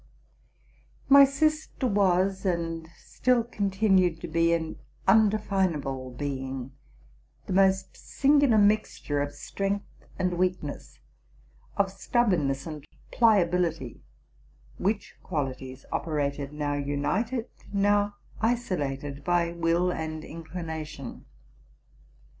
My sister was and still continued to be an undefinable being, the most singular mixture of strength and weakness, of stubbornness and pliability, which qualities operated now united, now isolated by will and inclination.